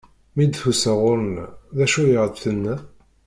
Mi d-tusa ɣur-neɣ, d acu i aɣ-tenna?